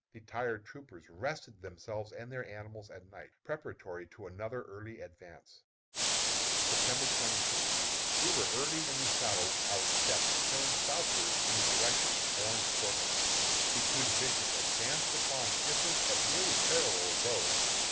The tired troopers rested themselves and their animals at night, preparatory to another early advance. September 22. We were early in the saddle, with our steps turned southward in the direction of Orange Court House. The two divisions advanced upon different but nearly parallel roads.